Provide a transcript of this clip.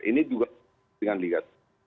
ini juga urutan liga satu